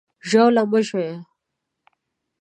ژاوله مه ژویه!